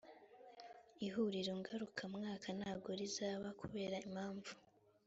ihuriro ngarukamwaka ntago rizaba kubera impamvu